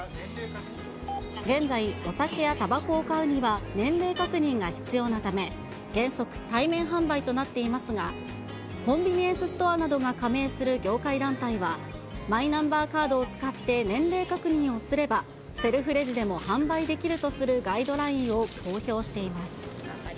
現在、お酒やたばこを買うには年齢確認が必要なため、原則、対面販売となっていますが、コンビニエンスストアなどが加盟する業界団体は、マイナンバーカードを使って年齢確認をすれば、セルフレジでも販売できるとするガイドラインを公表しています。